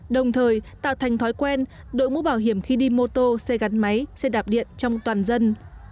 đồng thời tạo thành thói quen đội mũ bảo hiểm khi đi mô tô xe gắn máy xe đạp điện trong toàn dân